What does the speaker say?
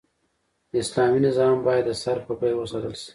د اسلامي نظام بايد د سر په بيه وساتل شي